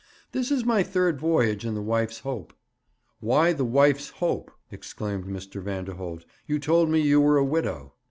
This is my third voyage in the Wife's Hope.' 'Why the Wife's Hope?' exclaimed Mr. Vanderholt. 'You told me you were a widow.'